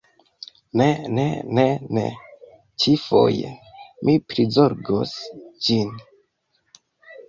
Ne, ne, ne, ne. Ĉi-foje mi prizorgos ĝin.